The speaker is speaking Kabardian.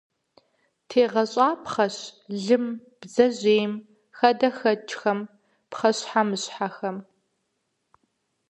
ТегъэщӀапхъэщ лым, бдзэжьейм, хадэхэкӀхэм, пхъэщхьэмыщхьэхэм.